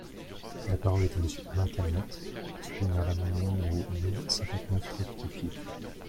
La parole est à Monsieur Alain Calmette, pour soutenir l’amendement numéro mille cinquante-neuf rectifié.